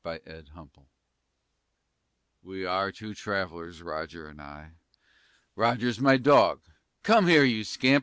THE VAGABONDS We are two travellers, Roger and I. Roger's my dog. Come here, you scamp!